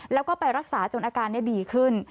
แล้วก็ไปรักษาจนอาการดีขึ้น